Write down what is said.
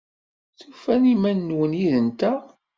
Tufam iman-nwen yid-nteɣ?